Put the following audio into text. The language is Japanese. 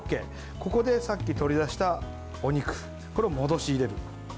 ここでさっき取り出したお肉を戻し入れる。